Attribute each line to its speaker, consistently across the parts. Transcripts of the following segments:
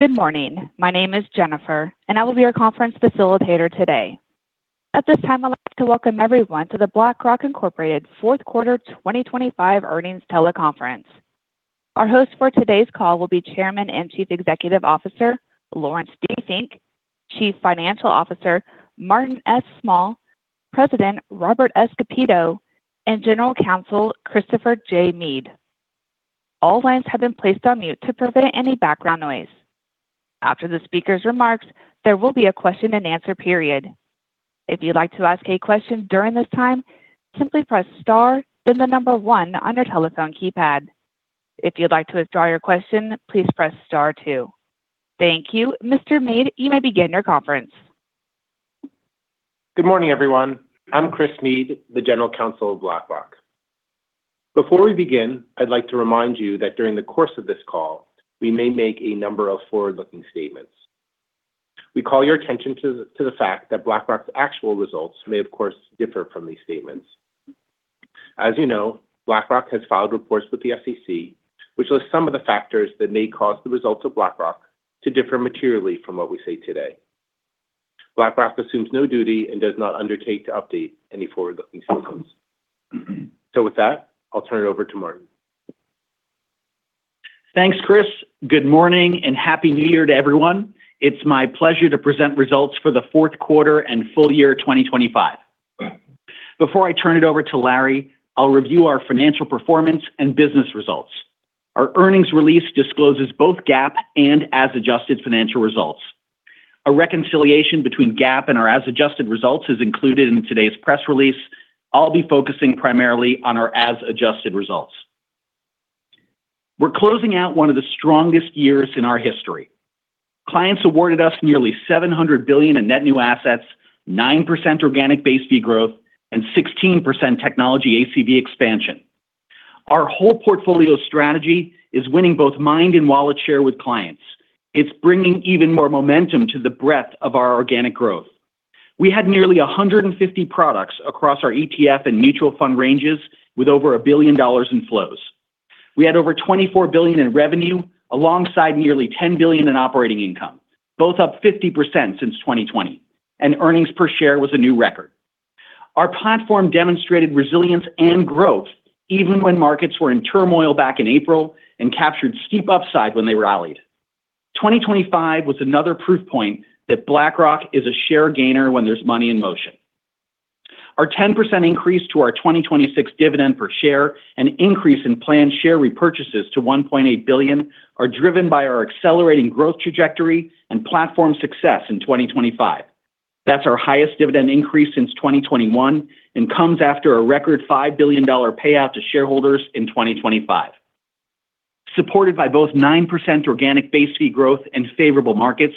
Speaker 1: Good morning. My name is Jennifer, and I will be your conference facilitator today. At this time, I'd like to welcome everyone to the BlackRock Incorporated Q4 2025 Earnings Teleconference. Our hosts for today's call will be Chairman and Chief Executive Officer Laurence D. Fink, Chief Financial Officer Martin S. Small, President Robert S. Kapito, and General Counsel Christopher J. Meade. All lines have been placed on mute to prevent any background noise. After the speaker's remarks, there will be a question-and-answer period. If you'd like to ask a question during this time, simply press star, then the number one on your telephone keypad. If you'd like to withdraw your question, please press star two. Thank you. Mr. Meade, you may begin your conference.
Speaker 2: Good morning, everyone. I'm Chris Meade, the General Counsel of BlackRock. Before we begin, I'd like to remind you that during the course of this call, we may make a number of forward-looking statements. We call your attention to the fact that BlackRock's actual results may, of course, differ from these statements. As you know, BlackRock has filed reports with the SEC, which lists some of the factors that may cause the results of BlackRock to differ materially from what we see today. BlackRock assumes no duty and does not undertake to update any forward-looking statements. So with that, I'll turn it over to Martin.
Speaker 3: Thanks, Chris. Good morning and Happy New Year to everyone. It's my pleasure to present results for the Q4 and full year 2025. Before I turn it over to Larry, I'll review our financial performance and business results. Our earnings release discloses both GAAP and as-adjusted financial results. A reconciliation between GAAP and our as-adjusted results is included in today's press release. I'll be focusing primarily on our as-adjusted results. We're closing out one of the strongest years in our history. Clients awarded us nearly $700 billion in net new assets, 9% organic base fee growth, and 16% technology ACV expansion. Our whole portfolio strategy is winning both mind and wallet share with clients. It's bringing even more momentum to the breadth of our organic growth. We had nearly 150 products across our ETF and mutual fund ranges with over $1 billion in flows. We had over $24 billion in revenue alongside nearly $10 billion in operating income, both up 50% since 2020, and earnings per share was a new record. Our platform demonstrated resilience and growth even when markets were in turmoil back in April and captured steep upside when they rallied. 2025 was another proof point that BlackRock is a share gainer when there's money in motion. Our 10% increase to our 2026 dividend per share and increase in planned share repurchases to $1.8 billion are driven by our accelerating growth trajectory and platform success in 2025. That's our highest dividend increase since 2021 and comes after a record $5 billion payout to shareholders in 2025. Supported by both 9% organic base fee growth and favorable markets,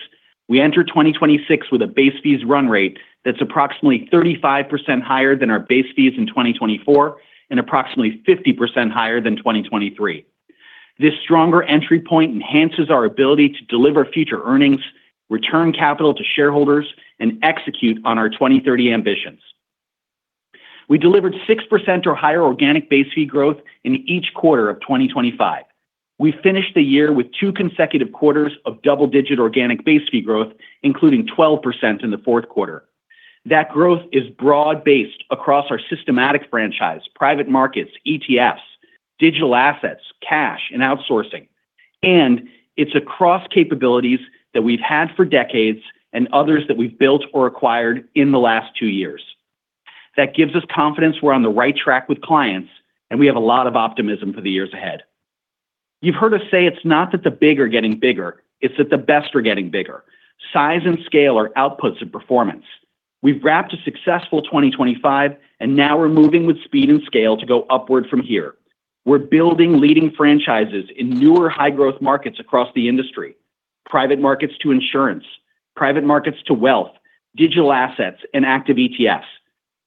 Speaker 3: we enter 2026 with a base fees run rate that's approximately 35% higher than our base fees in 2024 and approximately 50% higher than 2023. This stronger entry point enhances our ability to deliver future earnings, return capital to shareholders, and execute on our 2030 ambitions. We delivered 6% or higher organic base fee growth in each quarter of 2025. We finished the year with two consecutive quarters of double-digit organic base fee growth, including 12% in the Q4. That growth is broad-based across our systematic franchise, private markets, ETFs, digital assets, cash, and outsourcing. And it's across capabilities that we've had for decades and others that we've built or acquired in the last two years. That gives us confidence we're on the right track with clients, and we have a lot of optimism for the years ahead. You've heard us say it's not that the big are getting bigger, it's that the best are getting bigger. Size and scale are outputs of performance. We've wrapped a successful 2025, and now we're moving with speed and scale to go upward from here. We're building leading franchises in newer high-growth markets across the industry: private markets to insurance, private markets to wealth, digital assets, and active ETFs.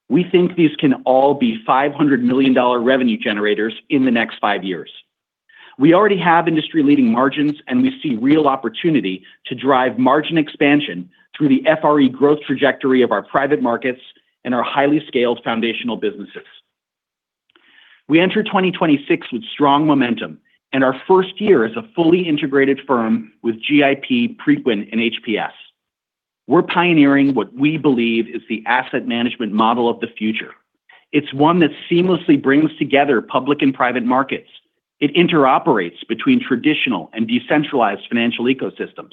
Speaker 3: We think these can all be $500 million revenue generators in the next five years. We already have industry-leading margins, and we see real opportunity to drive margin expansion through the FRE growth trajectory of our private markets and our highly scaled foundational businesses. We enter 2026 with strong momentum, and our first year as a fully integrated firm with GIP, Preqin, and HPS. We're pioneering what we believe is the asset management model of the future. It's one that seamlessly brings together public and private markets. It interoperates between traditional and decentralized financial ecosystems,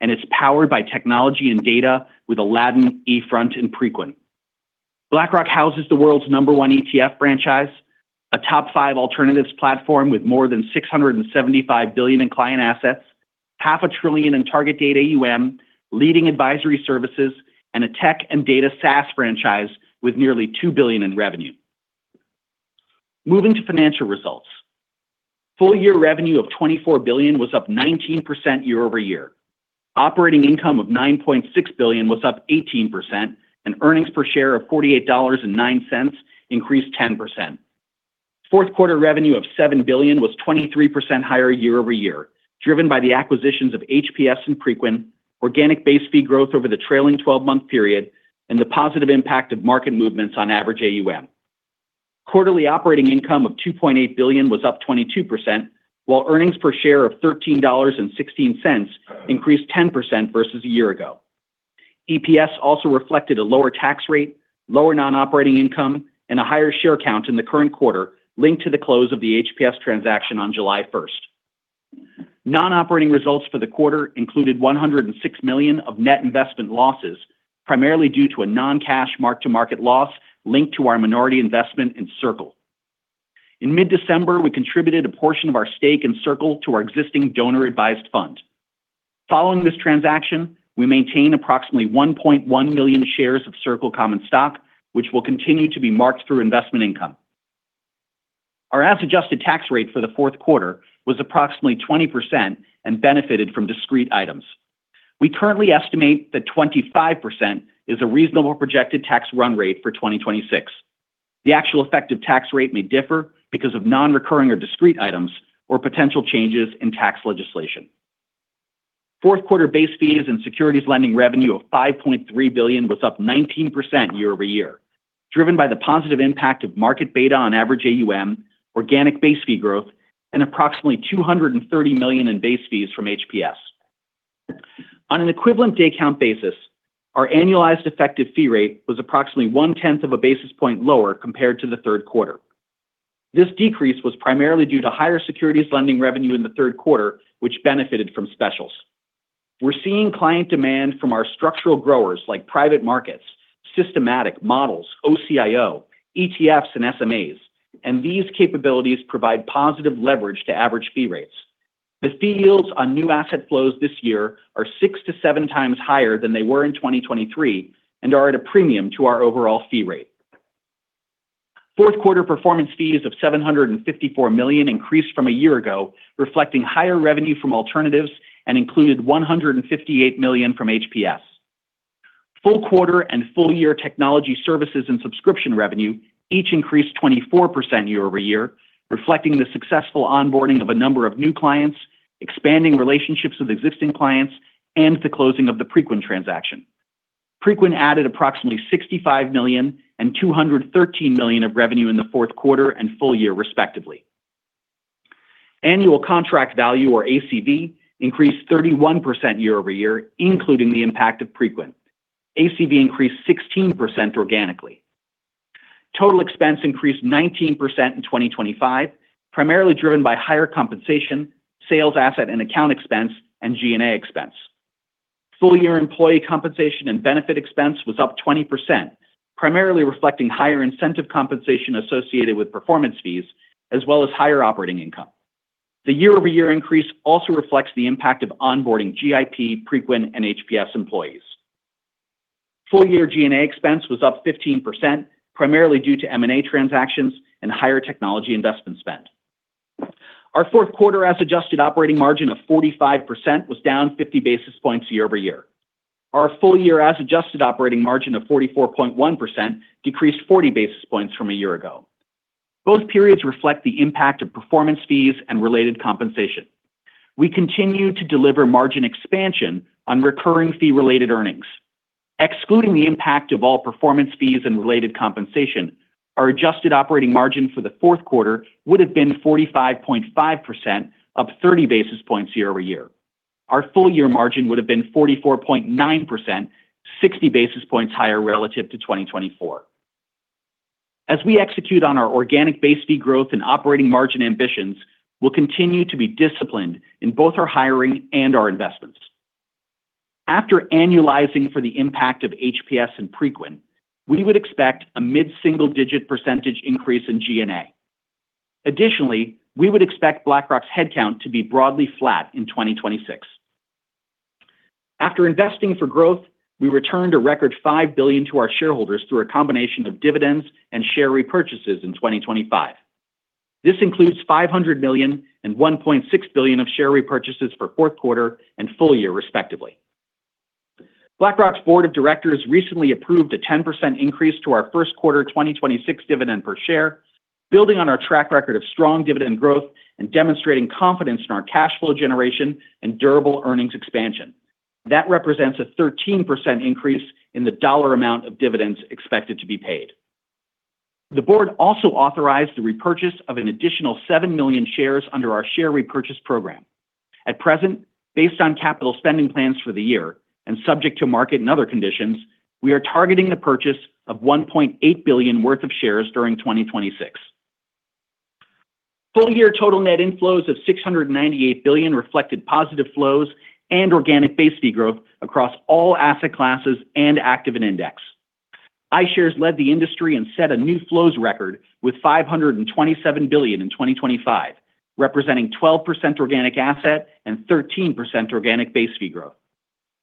Speaker 3: and it's powered by technology and data with Aladdin, eFront, and Preqin. BlackRock houses the world's number one ETF franchise, a top five alternatives platform with more than $675 billion in client assets, $500 billion in target-date AUM, leading advisory services, and a tech and data SaaS franchise with nearly $2 billion in revenue. Moving to financial results. Full year revenue of $24 billion was up 19% year-over-year. Operating income of $9.6 billion was up 18%, and earnings per share of $48.09 increased 10%. Q4 revenue of $7 billion was 23% higher year-over-year, driven by the acquisitions of HPS and Preqin, organic base fee growth over the trailing 12-month period, and the positive impact of market movements on average AUM. Quarterly operating income of $2.8 billion was up 22%, while earnings per share of $13.16 increased 10% versus a year ago. EPS also reflected a lower tax rate, lower non-operating income, and a higher share count in the current quarter linked to the close of the HPS transaction on July 1st. Non-operating results for the quarter included $106 million of net investment losses, primarily due to a non-cash mark-to-market loss linked to our minority investment in Circle. In mid-December, we contributed a portion of our stake in Circle to our existing donor-advised fund. Following this transaction, we maintain approximately 1.1 million shares of Circle common stock, which will continue to be marked through investment income. Our as-adjusted tax rate for the Q4 was approximately 20% and benefited from discrete items. We currently estimate that 25% is a reasonable projected tax run rate for 2026. The actual effective tax rate may differ because of non-recurring or discrete items or potential changes in tax legislation. Q4 base fees and securities lending revenue of $5.3 billion was up 19% year-over-year, driven by the positive impact of market beta on average AUM, organic base fee growth, and approximately $230 million in base fees from HPS. On an equivalent day count basis, our annualized effective fee rate was approximately one-tenth of a basis point lower compared to the Q3. This decrease was primarily due to higher securities lending revenue in the Q3, which benefited from specials. We're seeing client demand from our structural growers like private markets, systematic models, OCIO, ETFs, and SMAs, and these capabilities provide positive leverage to average fee rates. The fee yields on new asset flows this year are six to seven times higher than they were in 2023 and are at a premium to our overall fee rate. Q4 performance fees of $754 million increased from a year ago, reflecting higher revenue from alternatives and included $158 million from HPS. Full quarter and full year technology services and subscription revenue each increased 24% year-over-year, reflecting the successful onboarding of a number of new clients, expanding relationships with existing clients, and the closing of the Preqin transaction. Preqin added approximately $65 million and $213 million of revenue in the Q4 and full year, respectively. Annual contract value, or ACV, increased 31% year-over-year, including the impact of Preqin. ACV increased 16% organically. Total expense increased 19% in 2025, primarily driven by higher compensation, sales asset and account expense, and G&A expense. Full year employee compensation and benefit expense was up 20%, primarily reflecting higher incentive compensation associated with performance fees, as well as higher operating income. The year-over-year increase also reflects the impact of onboarding GIP, Preqin, and HPS employees. Full year G&A expense was up 15%, primarily due to M&A transactions and higher technology investment spend. Our Q4 as-adjusted operating margin of 45% was down 50 basis points year-over-year. Our full year as-adjusted operating margin of 44.1% decreased 40 basis points from a year ago. Both periods reflect the impact of performance fees and related compensation. We continue to deliver margin expansion on recurring fee-related earnings. Excluding the impact of all performance fees and related compensation, our adjusted operating margin for the Q4 would have been 45.5%, up 30 basis points year-over-year. Our full year margin would have been 44.9%, 60 basis points higher relative to 2024. As we execute on our organic base fee growth and operating margin ambitions, we'll continue to be disciplined in both our hiring and our investments. After annualizing for the impact of HPS and Preqin, we would expect a mid-single-digit percentage increase in G&A. Additionally, we would expect BlackRock's headcount to be broadly flat in 2026. After investing for growth, we returned a record $5 billion to our shareholders through a combination of dividends and share repurchases in 2025. This includes $500 million and $1.6 billion of share repurchases for Q4 and full year, respectively. BlackRock's board of directors recently approved a 10% increase to our Q1 2026 dividend per share, building on our track record of strong dividend growth and demonstrating confidence in our cash flow generation and durable earnings expansion. That represents a 13% increase in the dollar amount of dividends expected to be paid. The board also authorized the repurchase of an additional 7 million shares under our share repurchase program. At present, based on capital spending plans for the year and subject to market and other conditions, we are targeting the purchase of $1.8 billion worth of shares during 2026. Full year total net inflows of $698 billion reflected positive flows and organic base fee growth across all asset classes and active and index. iShares led the industry and set a new flows record with $527 billion in 2025, representing 12% organic asset and 13% organic base fee growth.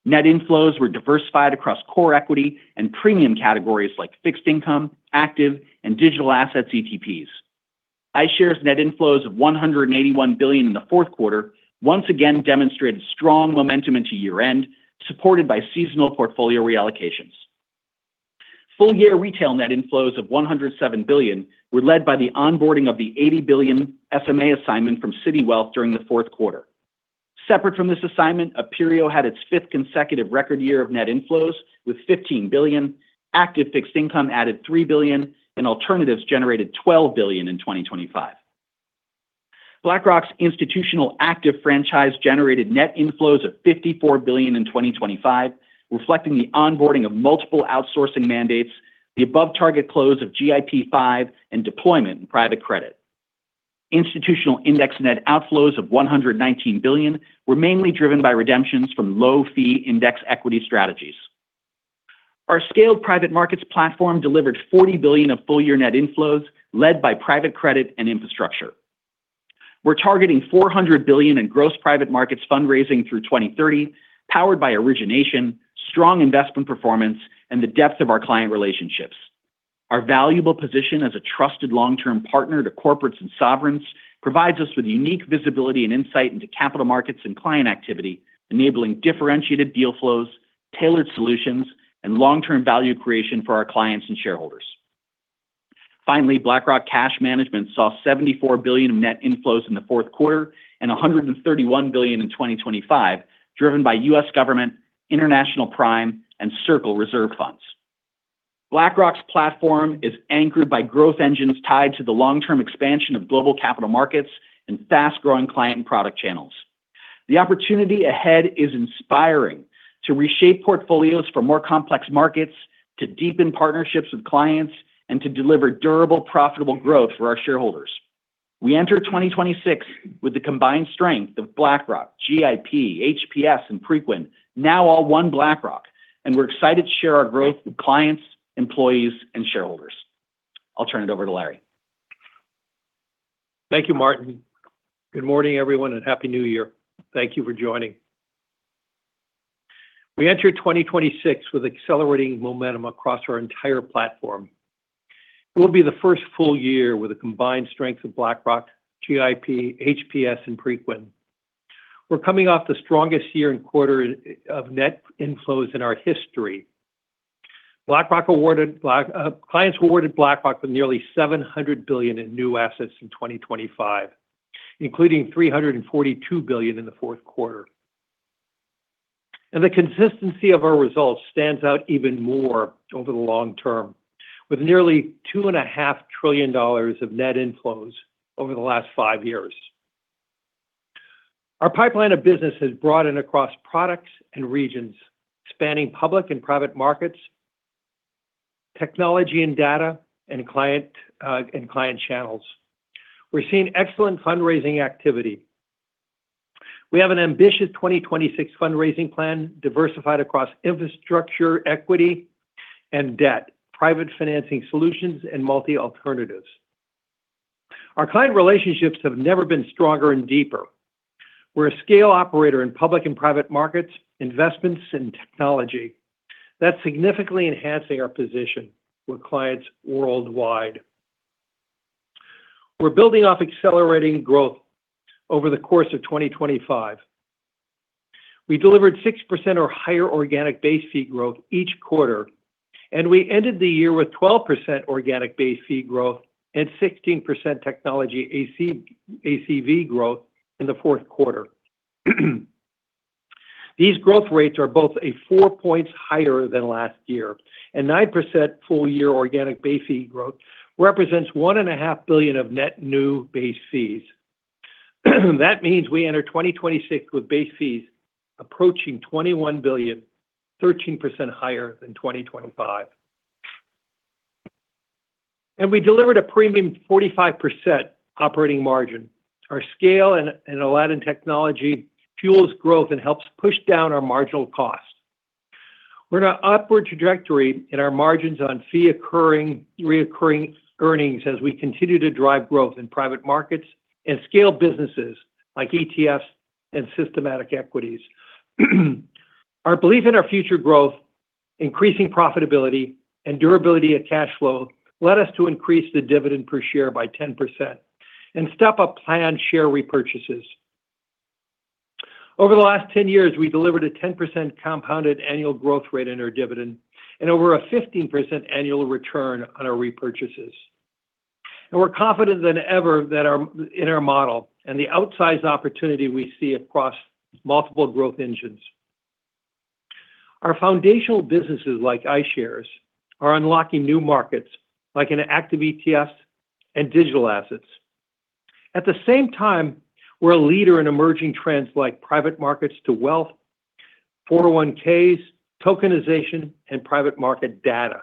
Speaker 3: Net inflows were diversified across core equity and premium categories like fixed income, active, and digital assets ETPs. iShares' net inflows of $181 billion in the Q4 once again demonstrated strong momentum into year-end, supported by seasonal portfolio reallocations. Full year retail net inflows of $107 billion were led by the onboarding of the $80 billion SMA assignment from Citi Wealth during the Q4. Separate from this assignment, Aperio had its fifth consecutive record year of net inflows with $15 billion, active fixed income added $3 billion, and alternatives generated $12 billion in 2025. BlackRock's institutional active franchise generated net inflows of $54 billion in 2025, reflecting the onboarding of multiple outsourcing mandates, the above-target close of GIP V, and deployment in private credit. Institutional index net outflows of $119 billion were mainly driven by redemptions from low-fee index equity strategies. Our scaled private markets platform delivered $40 billion of full year net inflows led by private credit and infrastructure. We're targeting $400 billion in gross private markets fundraising through 2030, powered by origination, strong investment performance, and the depth of our client relationships. Our valuable position as a trusted long-term partner to corporates and sovereigns provides us with unique visibility and insight into capital markets and client activity, enabling differentiated deal flows, tailored solutions, and long-term value creation for our clients and shareholders. Finally, BlackRock Cash Management saw $74 billion of net inflows in the Q4 and $131 billion in 2025, driven by U.S. government, international prime, and Circle reserve funds. BlackRock's platform is anchored by growth engines tied to the long-term expansion of global capital markets and fast-growing client and product channels. The opportunity ahead is inspiring to reshape portfolios for more complex markets, to deepen partnerships with clients, and to deliver durable, profitable growth for our shareholders. We enter 2026 with the combined strength of BlackRock, GIP, HPS, and Preqin, now all one BlackRock, and we're excited to share our growth with clients, employees, and shareholders. I'll turn it over to Larry.
Speaker 4: Thank you, Martin. Good morning, everyone, and happy new year. Thank you for joining. We enter 2026 with accelerating momentum across our entire platform. It will be the first full year with a combined strength of BlackRock, GIP, HPS, and Preqin. We're coming off the strongest year and quarter of net inflows in our history. Clients awarded BlackRock for nearly $700 billion in new assets in 2025, including $342 billion in the Q4, and the consistency of our results stands out even more over the long term, with nearly $2.5 trillion of net inflows over the last five years. Our pipeline of business has broadened across products and regions, spanning public and private markets, technology and data, and client channels. We're seeing excellent fundraising activity. We have an ambitious 2026 fundraising plan diversified across infrastructure, equity, and debt, private financing solutions, and multi-alternatives. Our client relationships have never been stronger and deeper. We're a scale operator in public and private markets, investments, and technology. That's significantly enhancing our position with clients worldwide. We're building off accelerating growth over the course of 2025. We delivered 6% or higher organic base fee growth each quarter, and we ended the year with 12% organic base fee growth and 16% technology ACV growth in the Q4. These growth rates are both a four points higher than last year, and 9% full year organic base fee growth represents $1.5 billion of net new base fees. That means we enter 2026 with base fees approaching $21 billion, 13% higher than 2025. And we delivered a premium 45% operating margin. Our scale and Aladdin technology fuels growth and helps push down our marginal cost. We're on an upward trajectory in our margins on fee-recurring, recurring earnings as we continue to drive growth in private markets and scale businesses like ETFs and systematic equities. Our belief in our future growth, increasing profitability, and durability of cash flow led us to increase the dividend per share by 10% and step up planned share repurchases. Over the last 10 years, we delivered a 10% compounded annual growth rate in our dividend and over a 15% annual return on our repurchases. We're more confident than ever in our model and the outsized opportunity we see across multiple growth engines. Our foundational businesses like iShares are unlocking new markets like active ETFs and digital assets. At the same time, we're a leader in emerging trends like private markets to wealth, 401(k)s, tokenization, and private market data.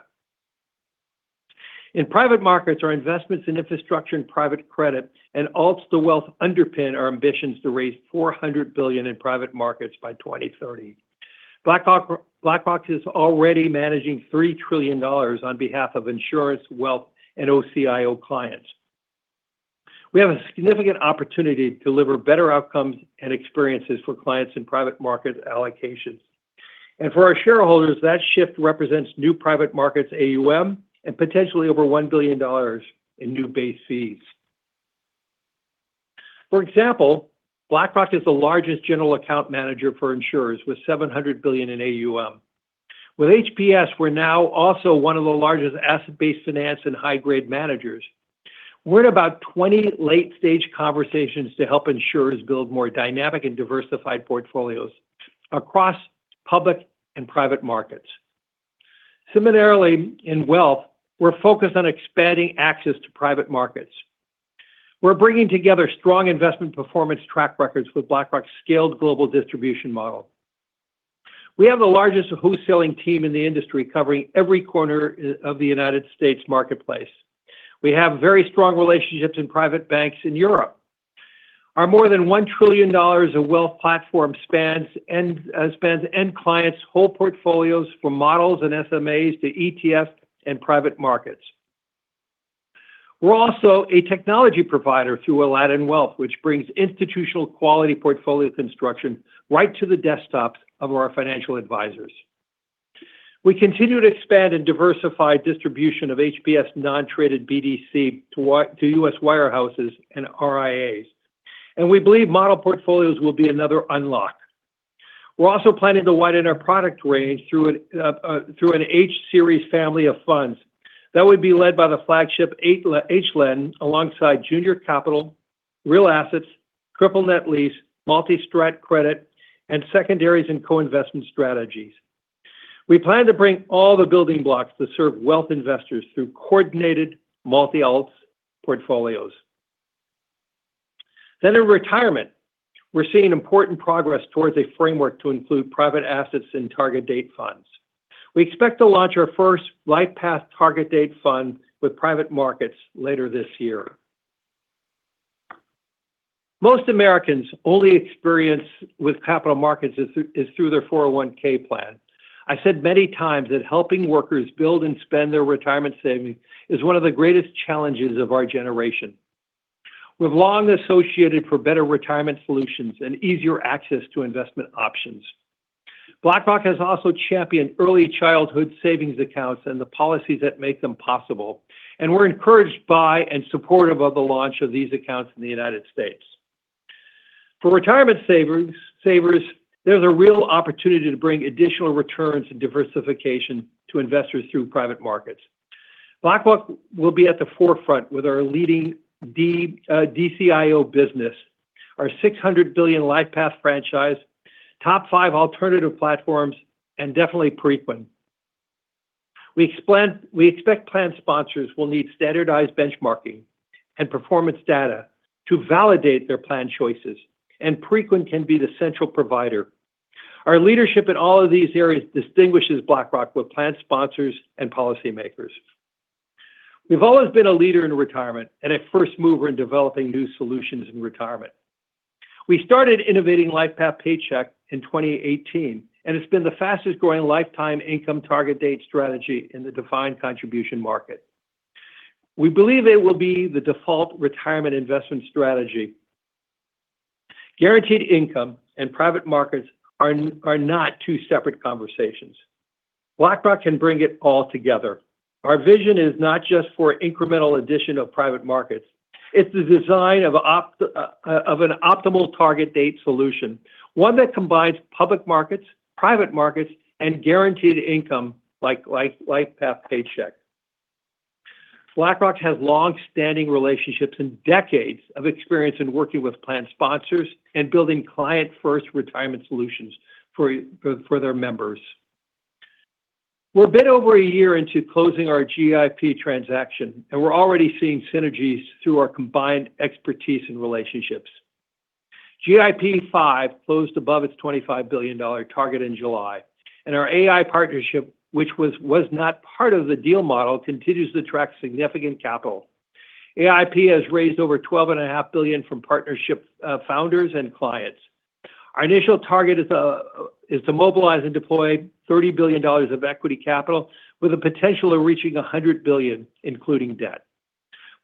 Speaker 4: In private markets, our investments in infrastructure and private credit and alts to wealth underpin our ambitions to raise $400 billion in private markets by 2030. BlackRock is already managing $3 trillion on behalf of insurance, wealth, and OCIO clients. We have a significant opportunity to deliver better outcomes and experiences for clients in private market allocations, and for our shareholders, that shift represents new private markets AUM and potentially over $1 billion in new base fees. For example, BlackRock is the largest general account manager for insurers with $700 billion in AUM. With HPS, we're now also one of the largest asset-based finance and high-grade managers. We're in about 20 late-stage conversations to help insurers build more dynamic and diversified portfolios across public and private markets. Similarly, in wealth, we're focused on expanding access to private markets. We're bringing together strong investment performance track records with BlackRock's scaled global distribution model. We have the largest wholesaling team in the industry covering every corner of the United States marketplace. We have very strong relationships in private banks in Europe. Our more than $1 trillion of wealth platform spans end clients' whole portfolios from models and SMAs to ETFs and private markets. We're also a technology provider through Aladdin Wealth, which brings institutional quality portfolio construction right to the desktops of our financial advisors. We continue to expand and diversify distribution of HPS non-traded BDC to U.S. wirehouses and RIAs, and we believe model portfolios will be another unlock. We're also planning to widen our product range through an H-Series family of funds that would be led by the flagship HLEND alongside junior capital, real assets, triple-net lease, multi-strat credit, and secondaries and co-investment strategies. We plan to bring all the building blocks to serve wealth investors through coordinated multi-alts portfolios. Then in retirement, we're seeing important progress towards a framework to include private assets and target date funds. We expect to launch our first LifePath target date fund with private markets later this year. Most Americans' only experience with capital markets is through their 401(k) plan. I said many times that helping workers build and spend their retirement savings is one of the greatest challenges of our generation. We've long advocated for better retirement solutions and easier access to investment options. BlackRock has also championed early childhood savings accounts and the policies that make them possible. And we're encouraged by and supportive of the launch of these accounts in the United States. For retirement savers, there's a real opportunity to bring additional returns and diversification to investors through private markets. BlackRock will be at the forefront with our leading DCIO business, our $600 billion LifePath franchise, top five alternative platforms, and definitely Preqin. We expect plan sponsors will need standardized benchmarking and performance data to validate their plan choices, and Preqin can be the central provider. Our leadership in all of these areas distinguishes BlackRock with plan sponsors and policymakers. We've always been a leader in retirement and a first mover in developing new solutions in retirement. We started innovating LifePath Paycheck in 2018, and it's been the fastest growing lifetime income target date strategy in the defined contribution market. We believe it will be the default retirement investment strategy. Guaranteed income and private markets are not two separate conversations. BlackRock can bring it all together. Our vision is not just for incremental addition of private markets. It's the design of an optimal target date solution, one that combines public markets, private markets, and guaranteed income like LifePath Paycheck. BlackRock has long-standing relationships and decades of experience in working with plan sponsors and building client-first retirement solutions for their members. We're a bit over a year into closing our GIP transaction, and we're already seeing synergies through our combined expertise and relationships. GIP V closed above its $25 billion target in July, and our AI partnership, which was not part of the deal model, continues to attract significant capital. GAIIP has raised over $12.5 billion from partnership founders and clients. Our initial target is to mobilize and deploy $30 billion of equity capital with a potential of reaching $100 billion, including debt.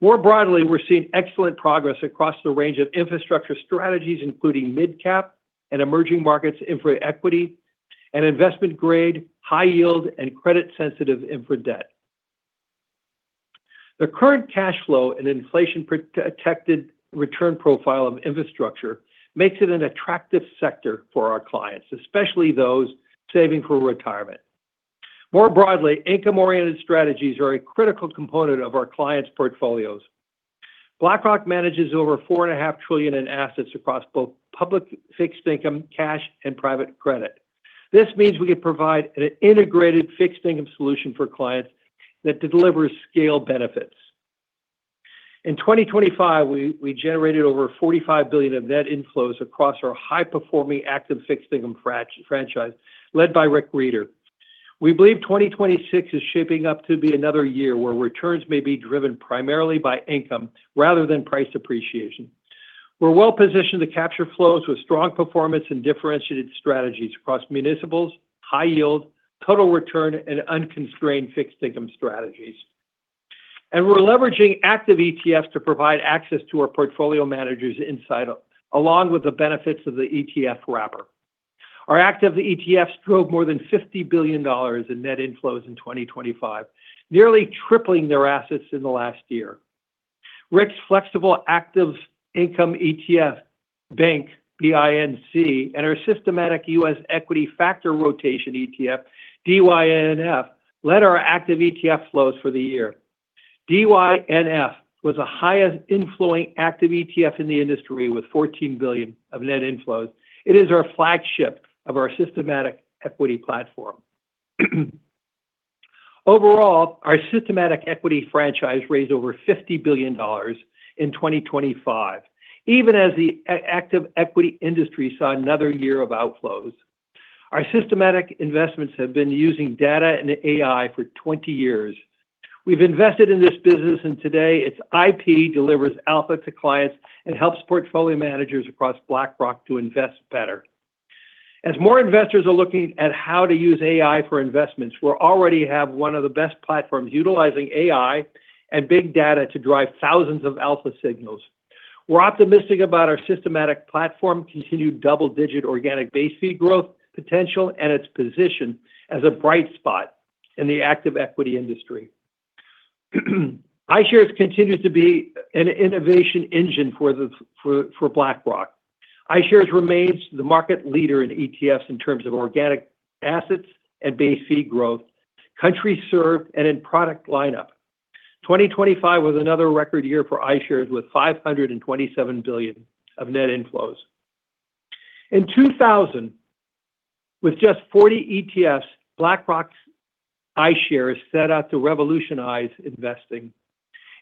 Speaker 4: More broadly, we're seeing excellent progress across the range of infrastructure strategies, including mid-cap and emerging markets infra equity and investment grade, high yield, and credit-sensitive infra debt. The current cash flow and inflation-protected return profile of infrastructure makes it an attractive sector for our clients, especially those saving for retirement. More broadly, income-oriented strategies are a critical component of our clients' portfolios. BlackRock manages over $4.5 trillion in assets across both public fixed income, cash, and private credit. This means we can provide an integrated fixed income solution for clients that delivers scale benefits. In 2025, we generated over $45 billion of net inflows across our high-performing active fixed income franchise led by Rick Rieder. We believe 2026 is shaping up to be another year where returns may be driven primarily by income rather than price appreciation. We're well-positioned to capture flows with strong performance and differentiated strategies across municipals, high yield, total return, and unconstrained fixed income strategies. And we're leveraging active ETFs to provide access to our portfolio managers' insight along with the benefits of the ETF wrapper. Our active ETFs drove more than $50 billion in net inflows in 2025, nearly tripling their assets in the last year. Rick's Flexible Income ETF, BINC, and our systematic U.S. equity factor rotation ETF, DYNF, led our active ETF flows for the year. DYNF was the highest inflowing active ETF in the industry with $14 billion of net inflows. It is our flagship of our systematic equity platform. Overall, our systematic equity franchise raised over $50 billion in 2025, even as the active equity industry saw another year of outflows. Our systematic investments have been using data and AI for 20 years. We've invested in this business, and today its IP delivers alpha to clients and helps portfolio managers across BlackRock to invest better. As more investors are looking at how to use AI for investments, we already have one of the best platforms utilizing AI and big data to drive thousands of alpha signals. We're optimistic about our systematic platform, continued double-digit organic base fee growth potential, and its position as a bright spot in the active equity industry. iShares continues to be an innovation engine for BlackRock. iShares remains the market leader in ETFs in terms of organic assets and base fee growth, country served, and in product lineup. 2025 was another record year for iShares with $527 billion of net inflows. In 2000, with just 40 ETFs, BlackRock's iShares set out to revolutionize investing.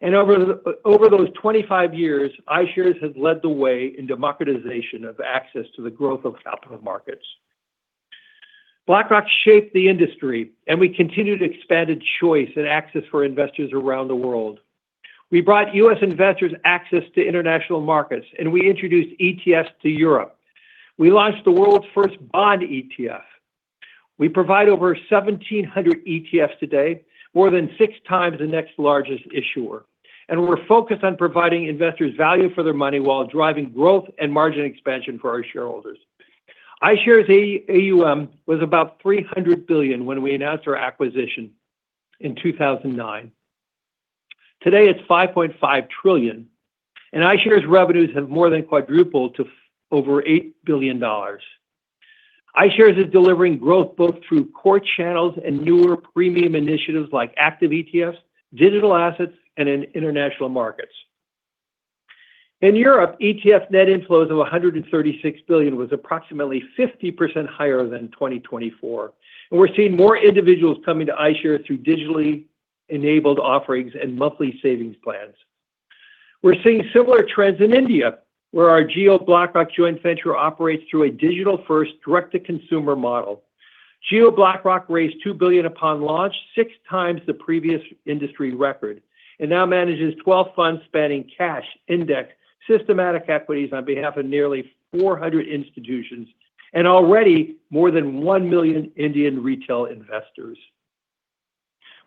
Speaker 4: Over those 25 years, iShares has led the way in democratization of access to the growth of capital markets. BlackRock shaped the industry, and we continued to expand choice and access for investors around the world. We brought U.S. investors access to international markets, and we introduced ETFs to Europe. We launched the world's first bond ETF. We provide over 1,700 ETFs today, more than six times the next largest issuer. We're focused on providing investors value for their money while driving growth and margin expansion for our shareholders. iShares AUM was about $300 billion when we announced our acquisition in 2009. Today, it's $5.5 trillion, and iShares revenues have more than quadrupled to over $8 billion. iShares is delivering growth both through core channels and newer premium initiatives like active ETFs, digital assets, and in international markets. In Europe, ETF net inflows of $136 billion was approximately 50% higher than 2024. And we're seeing more individuals coming to iShares through digitally enabled offerings and monthly savings plans. We're seeing similar trends in India, where our Jio BlackRock joint venture operates through a digital-first direct-to-consumer model. Jio BlackRock raised $2 billion upon launch, six times the previous industry record, and now manages 12 funds spanning cash, index, systematic equities on behalf of nearly 400 institutions and already more than 1 million Indian retail investors.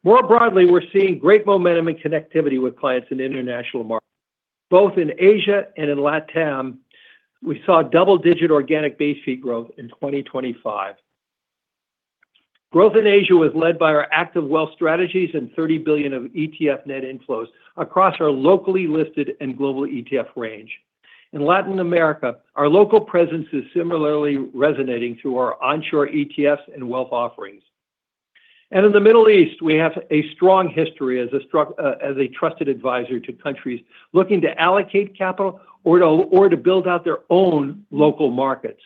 Speaker 4: More broadly, we're seeing great momentum and connectivity with clients in international markets. Both in Asia and in LatAm, we saw double-digit organic base fee growth in 2025. Growth in Asia was led by our active wealth strategies and $30 billion of ETF net inflows across our locally listed and global ETF range. In Latin America, our local presence is similarly resonating through our onshore ETFs and wealth offerings, and in the Middle East, we have a strong history as a trusted advisor to countries looking to allocate capital or to build out their own local markets.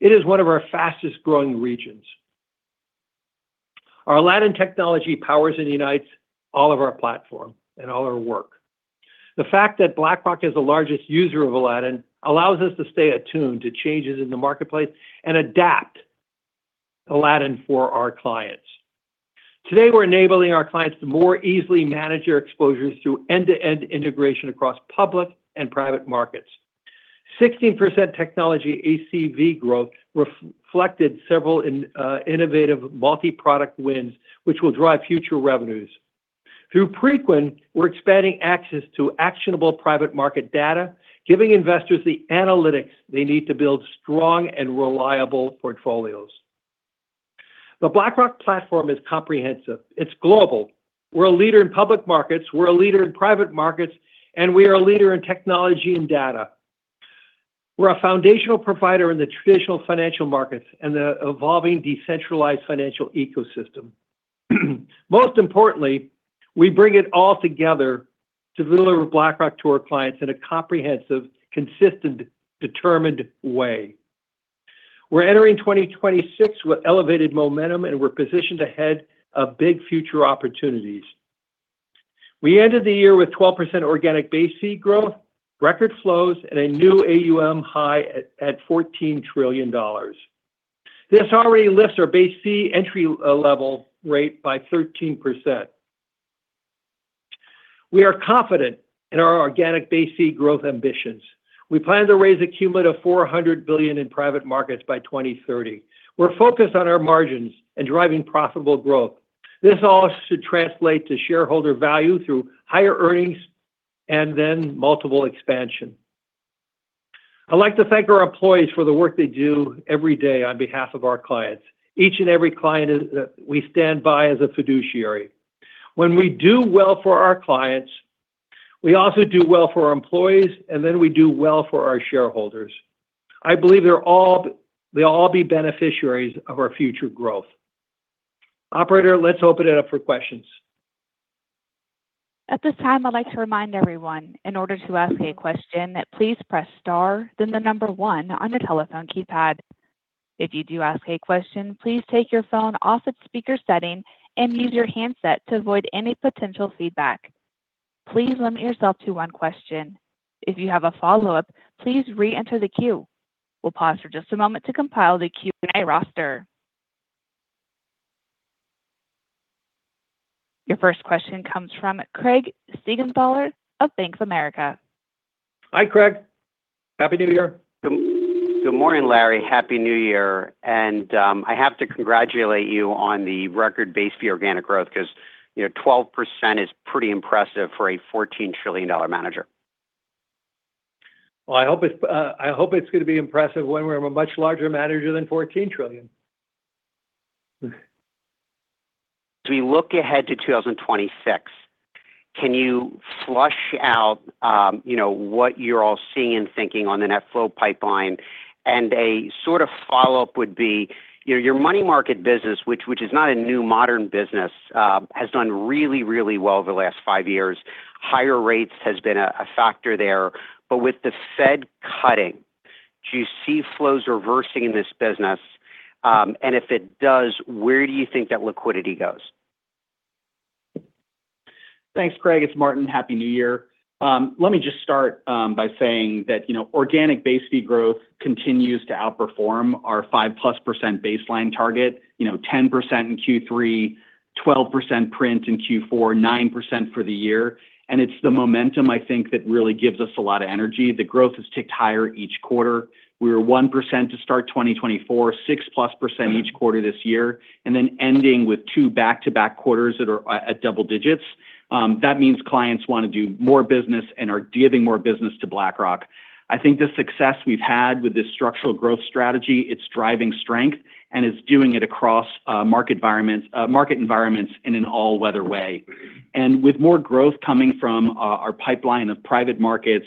Speaker 4: It is one of our fastest growing regions. Our Aladdin technology powers and unites all of our platform and all our work. The fact that BlackRock is the largest user of Aladdin allows us to stay attuned to changes in the marketplace and adapt Aladdin for our clients. Today, we're enabling our clients to more easily manage their exposures through end-to-end integration across public and private markets. 16% technology ACV growth reflected several innovative multi-product wins, which will drive future revenues. Through Preqin, we're expanding access to actionable private market data, giving investors the analytics they need to build strong and reliable portfolios. The BlackRock platform is comprehensive. It's global. We're a leader in public markets. We're a leader in private markets, and we are a leader in technology and data. We're a foundational provider in the traditional financial markets and the evolving decentralized financial ecosystem. Most importantly, we bring it all together to deliver BlackRock to our clients in a comprehensive, consistent, determined way. We're entering 2026 with elevated momentum, and we're positioned ahead of big future opportunities. We ended the year with 12% organic base fee growth, record flows, and a new AUM high at $14 trillion. This already lifts our base fee entry level rate by 13%. We are confident in our organic base fee growth ambitions. We plan to raise a cumulative $400 billion in private markets by 2030. We're focused on our margins and driving profitable growth. This all should translate to shareholder value through higher earnings and then multiple expansion. I'd like to thank our employees for the work they do every day on behalf of our clients. Each and every client, we stand by as a fiduciary. When we do well for our clients, we also do well for our employees, and then we do well for our shareholders. I believe they'll all be beneficiaries of our future growth. Operator, let's open it up for questions.
Speaker 1: At this time, I'd like to remind everyone, in order to ask a question, please press star, then the number one on the telephone keypad. If you do ask a question, please take your phone off its speaker setting and use your handset to avoid any potential feedback. Please limit yourself to one question. If you have a follow-up, please re-enter the queue. We'll pause for just a moment to compile the Q&A roster. Your first question comes from Craig Siegenthaler of Bank of America.
Speaker 4: Hi, Craig. Happy New Year.
Speaker 5: Good morning, Larry. Happy New Year. And I have to congratulate you on the record base fee organic growth because 12% is pretty impressive for a $14 trillion manager. Well, I hope it's going to be impressive when we're a much larger manager than $14 trillion. As we look ahead to 2026, can you flesh out what you're all seeing and thinking on the net flow pipeline? And a sort of follow-up would be your money market business, which is not a new modern business, has done really, really well over the last five years. Higher rates have been a factor there. But with the Fed cutting, do you see flows reversing in this business? And if it does, where do you think that liquidity goes?
Speaker 3: Thanks, Craig. It's Martin. Happy New Year. Let me just start by saying that organic base fee growth continues to outperform our 5-plus% baseline target, 10% in Q3, 12% print in Q4, 9% for the year. It's the momentum, I think, that really gives us a lot of energy. The growth has ticked higher each quarter. We were 1% to start 2024, 6-plus% each quarter this year, and then ending with two back-to-back quarters that are at double digits. That means clients want to do more business and are giving more business to BlackRock. I think the success we've had with this structural growth strategy; it's driving strength and is doing it across market environments in an all-weather way. And with more growth coming from our pipeline of private markets,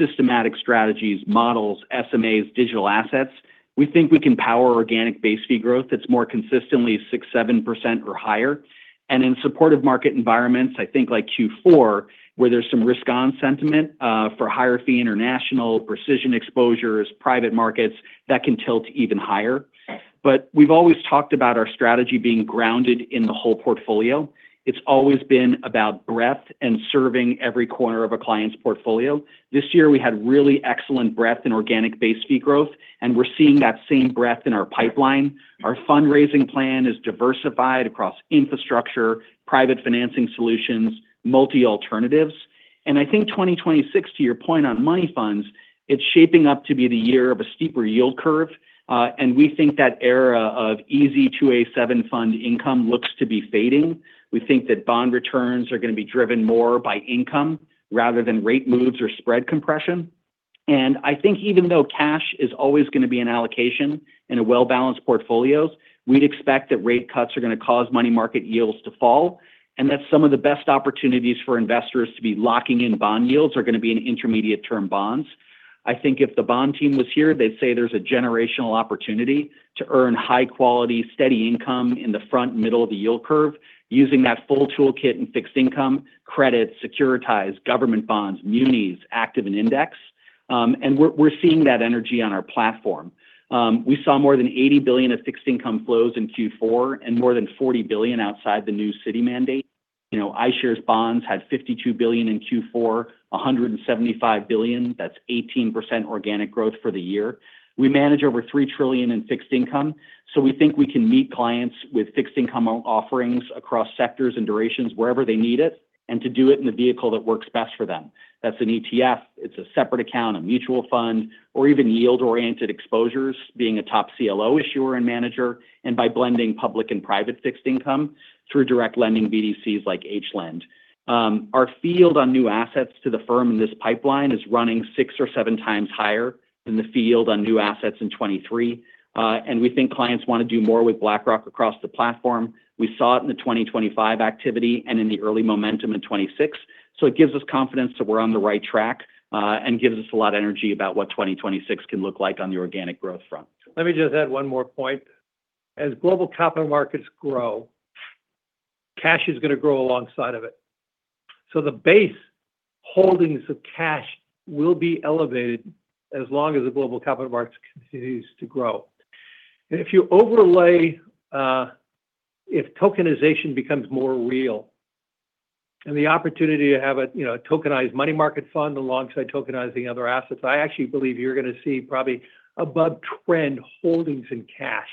Speaker 3: systematic strategies, models, SMAs, digital assets, we think we can power organic base fee growth that's more consistently 6-7% or higher. And in supportive market environments, I think like Q4, where there's some risk-on sentiment for higher fee international, precision exposures, private markets, that can tilt even higher. But we've always talked about our strategy being grounded in the whole portfolio. It's always been about breadth and serving every corner of a client's portfolio. This year, we had really excellent breadth in organic base fee growth, and we're seeing that same breadth in our pipeline. Our fundraising plan is diversified across infrastructure, private financing solutions, multi-alternatives. And I think 2026, to your point on money funds, it's shaping up to be the year of a steeper yield curve. And we think that era of easy 2a-7 fund income looks to be fading. We think that bond returns are going to be driven more by income rather than rate moves or spread compression. And I think even though cash is always going to be an allocation in a well-balanced portfolio, we'd expect that rate cuts are going to cause money market yields to fall. And that some of the best opportunities for investors to be locking in bond yields are going to be in intermediate-term bonds. I think if the bond team was here, they'd say there's a generational opportunity to earn high-quality, steady income in the front and middle of the yield curve using that full toolkit and fixed income: credits, securitized, government bonds, munis, active, and index. And we're seeing that energy on our platform. We saw more than $80 billion of fixed income flows in Q4 and more than $40 billion outside the new city mandate. iShares bonds had $52 billion in Q4, $175 billion. That's 18% organic growth for the year. We manage over $3 trillion in fixed income. We think we can meet clients with fixed income offerings across sectors and durations wherever they need it and to do it in the vehicle that works best for them. That's an ETF. It's a separate account, a mutual fund, or even yield-oriented exposures being a top CLO issuer and manager and by blending public and private fixed income through direct lending BDCs like HLEND. Our flow on new assets to the firm in this pipeline is running six or seven times higher than the flow on new assets in 2023. And we think clients want to do more with BlackRock across the platform. We saw it in the 2025 activity and in the early momentum in 2026. So it gives us confidence that we're on the right track and gives us a lot of energy about what 2026 can look like on the organic growth front.
Speaker 4: Let me just add one more point. As global capital markets grow, cash is going to grow alongside of it. So the base holdings of cash will be elevated as long as the global capital markets continue to grow. And if you overlay, if tokenization becomes more real and the opportunity to have a tokenized money market fund alongside tokenizing other assets, I actually believe you're going to see probably above-trend holdings in cash.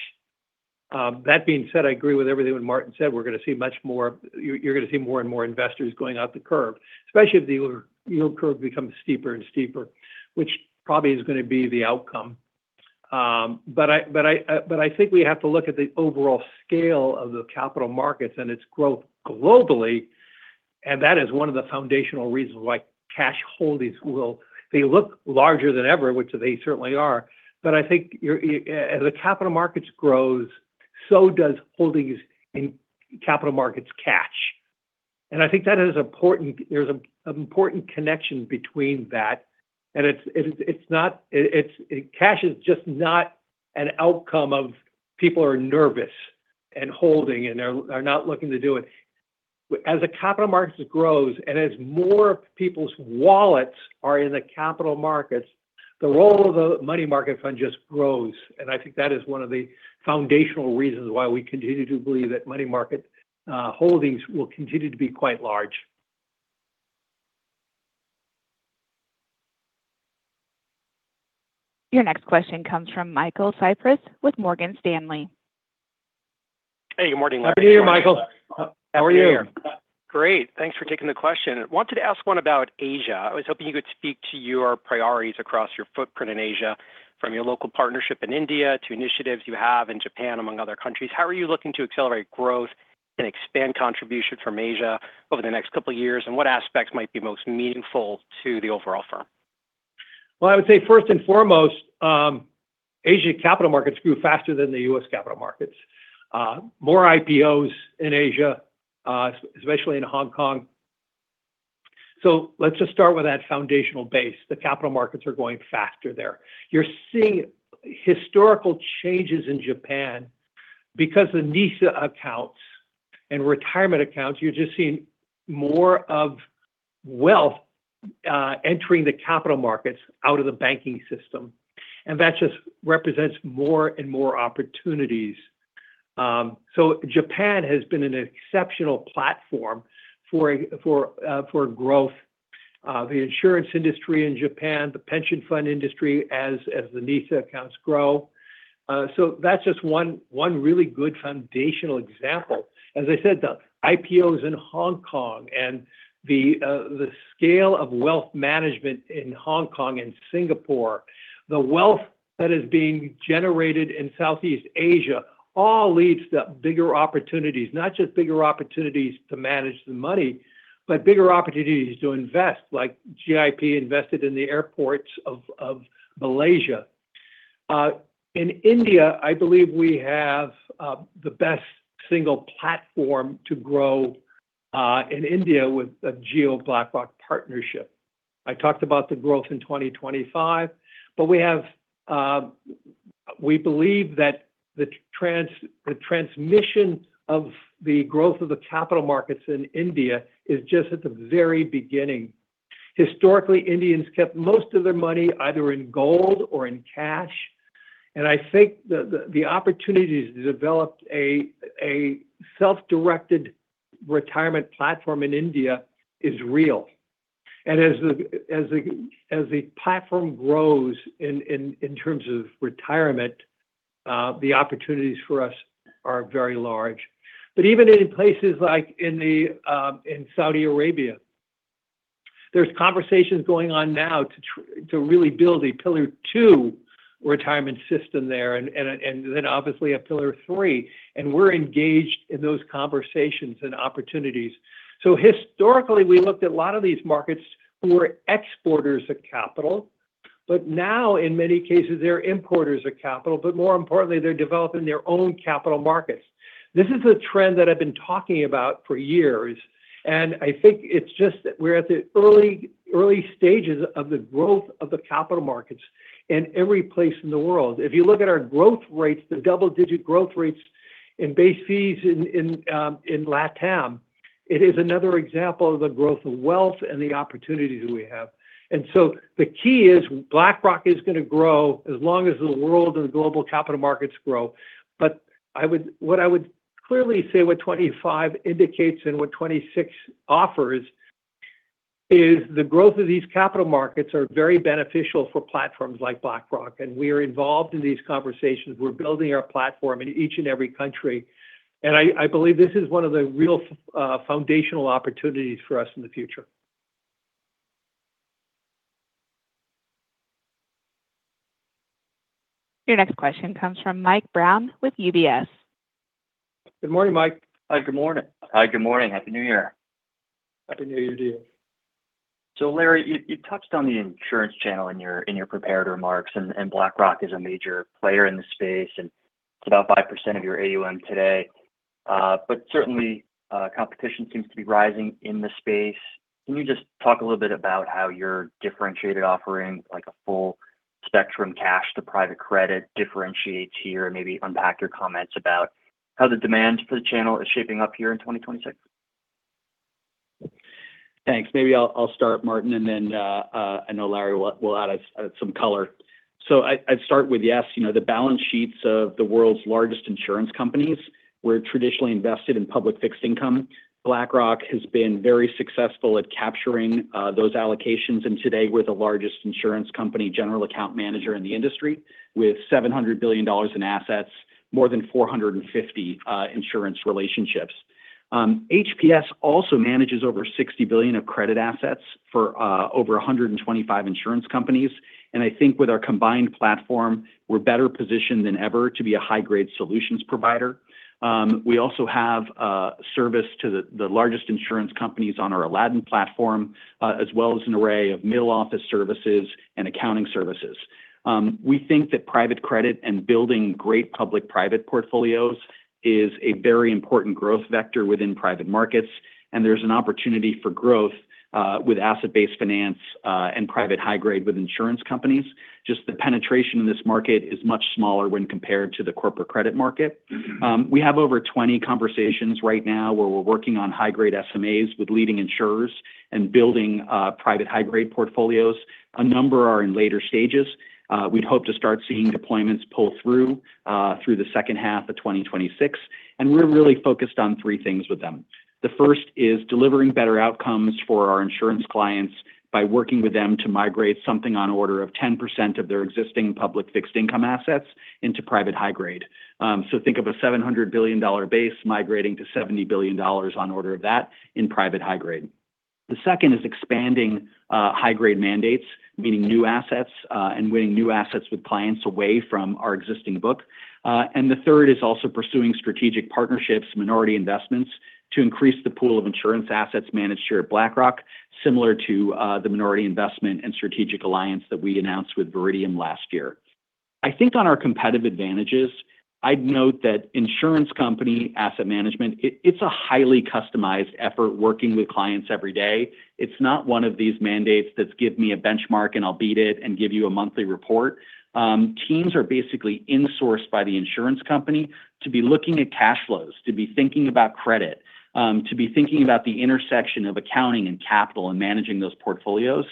Speaker 4: That being said, I agree with everything Martin said. We're going to see much more. You're going to see more and more investors going out the curve, especially if the yield curve becomes steeper and steeper, which probably is going to be the outcome. But I think we have to look at the overall scale of the capital markets and its growth globally. And that is one of the foundational reasons why cash holdings will look larger than ever, which they certainly are. But I think as the capital markets grow, so does holdings in capital markets catch. And I think that is important. There's an important connection between that. And cash is just not an outcome of people are nervous and holding and are not looking to do it. As the capital markets grow and as more people's wallets are in the capital markets, the role of the money market fund just grows. I think that is one of the foundational reasons why we continue to believe that money market holdings will continue to be quite large.
Speaker 1: Your next question comes from Michael Cyprys with Morgan Stanley.
Speaker 6: Hey, good morning, Larry.
Speaker 4: Happy New Year, Michael. How are you?
Speaker 6: Great. Thanks for taking the question. Wanted to ask one about Asia. I was hoping you could speak to your priorities across your footprint in Asia, from your local partnership in India to initiatives you have in Japan, among other countries. How are you looking to accelerate growth and expand contribution from Asia over the next couple of years, and what aspects might be most meaningful to the overall firm?
Speaker 4: Well, I would say first and foremost, Asia capital markets grew faster than the U.S. capital markets. More IPOs in Asia, especially in Hong Kong. So let's just start with that foundational base. The capital markets are going faster there. You're seeing historical changes in Japan because the NISA accounts and retirement accounts. You're just seeing more of wealth entering the capital markets out of the banking system, and that just represents more and more opportunities so Japan has been an exceptional platform for growth. The insurance industry in Japan, the pension fund industry as the NISA accounts grow, so that's just one really good foundational example. As I said, the IPOs in Hong Kong and the scale of wealth management in Hong Kong and Singapore, the wealth that is being generated in Southeast Asia all leads to bigger opportunities, not just bigger opportunities to manage the money, but bigger opportunities to invest, like GIP invested in the airports of Malaysia. In India, I believe we have the best single platform to grow in India with a Jio BlackRock partnership. I talked about the growth in 2025, but we believe that the transmission of the growth of the capital markets in India is just at the very beginning. Historically, Indians kept most of their money either in gold or in cash, and I think the opportunities to develop a self-directed retirement platform in India is real, and as the platform grows in terms of retirement, the opportunities for us are very large, but even in places like in Saudi Arabia, there's conversations going on now to really build a pillar two retirement system there and then obviously a pillar three, and we're engaged in those conversations and opportunities, so historically, we looked at a lot of these markets who were exporters of capital, but now in many cases, they're importers of capital, but more importantly, they're developing their own capital markets. This is a trend that I've been talking about for years. And I think it's just that we're at the early stages of the growth of the capital markets in every place in the world. If you look at our growth rates, the double-digit growth rates in base fees in LatAm, it is another example of the growth of wealth and the opportunities we have. And so the key is BlackRock is going to grow as long as the world and the global capital markets grow. But what I would clearly say, 2025 indicates and what 2026 offers is the growth of these capital markets are very beneficial for platforms like BlackRock. And we are involved in these conversations. We're building our platform in each and every country. And I believe this is one of the real foundational opportunities for us in the future.
Speaker 1: Your next question comes from Mike Brown with UBS.
Speaker 4: Good morning, Mike.
Speaker 3: Hi, good morning.
Speaker 7: Hi, good morning. Happy New Year. Happy New Year to you. So Larry, you touched on the insurance channel in your prepared remarks, and BlackRock is a major player in the space, and it's about 5% of your AUM today. But certainly, competition seems to be rising in the space. Can you just talk a little bit about how your differentiated offering, like a full spectrum cash to private credit, differentiates here? Maybe unpack your comments about how the demand for the channel is shaping up here in 2026.
Speaker 3: Thanks. Maybe I'll start, Martin, and then I know Larry will add some color. So I'd start with, yes, the balance sheets of the world's largest insurance companies. We're traditionally invested in public fixed income. BlackRock has been very successful at capturing those allocations. Today, we're the largest insurance company general account manager in the industry with $700 billion in assets, more than 450 insurance relationships. HPS also manages over $60 billion of credit assets for over 125 insurance companies. I think with our combined platform, we're better positioned than ever to be a high-grade solutions provider. We also have service to the largest insurance companies on our Aladdin platform, as well as an array of middle office services and accounting services. We think that private credit and building great public-private portfolios is a very important growth vector within private markets. There's an opportunity for growth with asset-based finance and private high-grade with insurance companies. Just the penetration in this market is much smaller when compared to the corporate credit market. We have over 20 conversations right now where we're working on high-grade SMAs with leading insurers and building private high-grade portfolios. A number are in later stages. We'd hope to start seeing deployments pull through the second half of 2026, and we're really focused on three things with them. The first is delivering better outcomes for our insurance clients by working with them to migrate something on order of 10% of their existing public fixed income assets into private high-grade. So think of a $700 billion base migrating to $70 billion on order of that in private high-grade. The second is expanding high-grade mandates, meaning new assets and winning new assets with clients away from our existing book. And the third is also pursuing strategic partnerships, minority investments to increase the pool of insurance assets managed here at BlackRock, similar to the minority investment and strategic alliance that we announced with Viridium last year. I think on our competitive advantages, I'd note that insurance company asset management, it's a highly customized effort working with clients every day. It's not one of these mandates that's give me a benchmark and I'll beat it and give you a monthly report. Teams are basically insourced by the insurance company to be looking at cash flows, to be thinking about credit, to be thinking about the intersection of accounting and capital and managing those portfolios.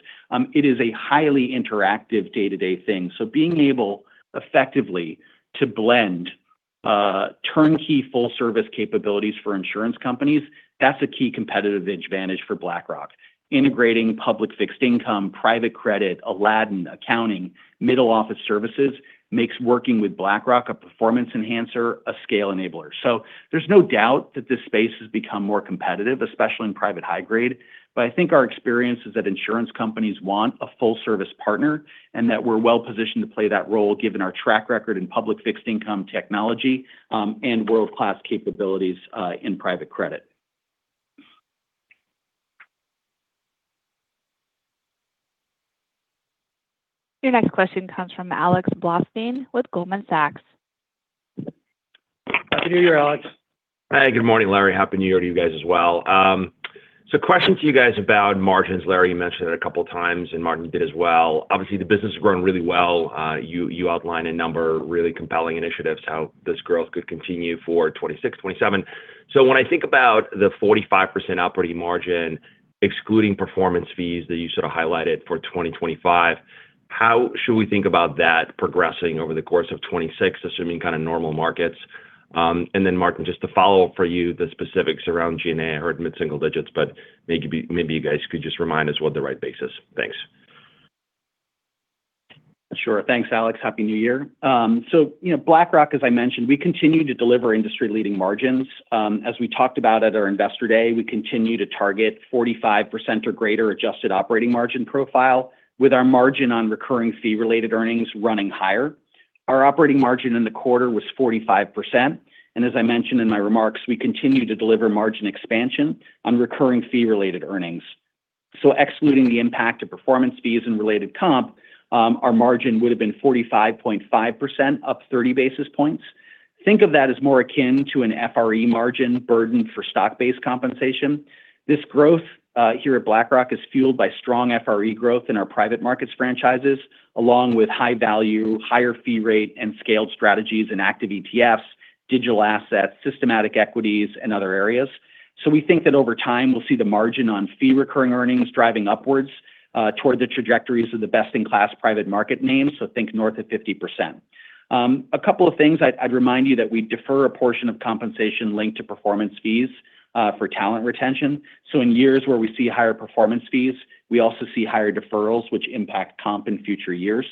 Speaker 3: It is a highly interactive day-to-day thing. So being able effectively to blend turnkey full-service capabilities for insurance companies, that's a key competitive advantage for BlackRock. Integrating public fixed income, private credit, Aladdin, accounting, middle office services makes working with BlackRock a performance enhancer, a scale enabler. So there's no doubt that this space has become more competitive, especially in private high-grade. But I think our experience is that insurance companies want a full-service partner and that we're well-positioned to play that role given our track record in public fixed income technology and world-class capabilities in private credit.
Speaker 1: Your next question comes from Alex Blostein with Goldman Sachs.
Speaker 4: Happy New Year, Alex.
Speaker 8: Hi, good morning, Larry. Happy New Year to you guys as well. So question to you guys about margins. Larry, you mentioned it a couple of times, and Martin did as well. Obviously, the business has grown really well. You outline a number of really compelling initiatives, how this growth could continue for 2026, 2027. So when I think about the 45% operating margin, excluding performance fees that you sort of highlighted for 2025, how should we think about that progressing over the course of 2026, assuming kind of normal markets? And then, Martin, just to follow up for you, the specifics around G&A are at mid-single digits, but maybe you guys could just remind us what the right base is. Thanks.
Speaker 3: Sure. Thanks, Alex. Happy New Year. So BlackRock, as I mentioned, we continue to deliver industry-leading margins. As we talked about at our Investor Day, we continue to target 45% or greater adjusted operating margin profile with our margin on recurring fee-related earnings running higher. Our operating margin in the quarter was 45%. And as I mentioned in my remarks, we continue to deliver margin expansion on recurring fee-related earnings. Excluding the impact of performance fees and related comp, our margin would have been 45.5%, up 30 basis points. Think of that as more akin to an FRE margin burden for stock-based compensation. This growth here at BlackRock is fueled by strong FRE growth in our private markets franchises, along with high-value, higher fee rate, and scaled strategies in active ETFs, digital assets, systematic equities, and other areas. We think that over time, we'll see the margin on fee-related earnings driving upwards toward the trajectories of the best-in-class private market names, so think north of 50%. A couple of things. I'd remind you that we defer a portion of compensation linked to performance fees for talent retention. In years where we see higher performance fees, we also see higher deferrals, which impact comp in future years.